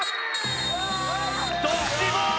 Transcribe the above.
ドッジボール